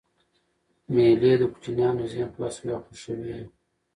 مېلې د کوچنيانو ذهن خلاصوي او خوښوي یې.